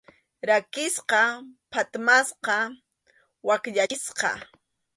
Rakisqa, phatmasqa, wakyachisqa.